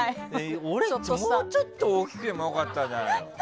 俺もうちょっと大きくても良かったんじゃない？